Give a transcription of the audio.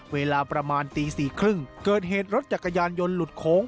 เวลาประมาณตี๔๓๐เกิดเหตุรถจักรยานยนต์หลุดโค้ง